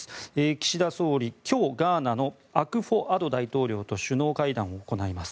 岸田総理は今日ガーナのアクフォ・アド大統領と首脳会談を行います。